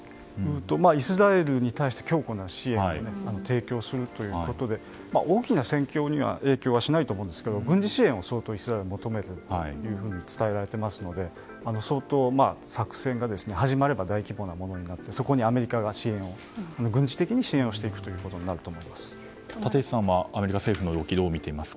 イスラエルに対して強固な支援を提供するということで大きく戦況には影響しないと思うんですが軍事支援を相当イスラエルが求めていると伝えられていますので作戦が始まれば大規模なものになってそこにアメリカが軍事的に支援していくことになると立石さんはアメリカ政府の動き